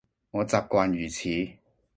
我習慣如此